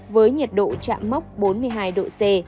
với nhiệt độ chạm mốc bốn mươi hai độ c